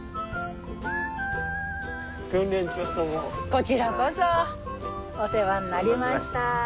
こちらこそお世話になりました。